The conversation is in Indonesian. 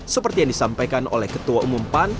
seperti yang disampaikan oleh ketua umum pan